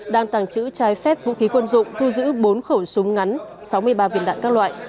đang tàng trữ trái phép vũ khí quân dụng thu giữ bốn khẩu súng ngắn sáu mươi ba viên đạn các loại